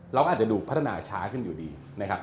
เราก็อาจจะดูพัฒนาช้าขึ้นอยู่ดีนะครับ